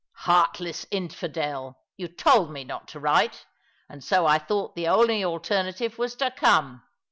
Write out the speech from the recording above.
"Heartless infidel, you told me not to write; and so I thought the only alternative was to come.